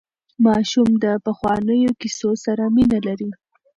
ماشومان د پخوانیو کیسو سره مینه لري.